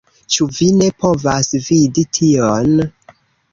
Ĉu vi ne povas vidi tion?!